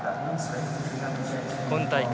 今大会